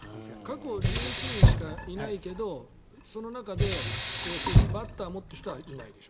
過去１１人しかいないけどその中で要するにバッターもって人はいないでしょ？